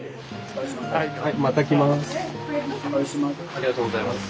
ありがとうございます。